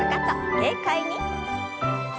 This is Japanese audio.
軽快に。